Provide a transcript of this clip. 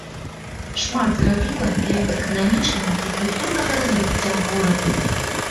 Шмат зрабіла для эканамічнага і культурнага развіцця горада.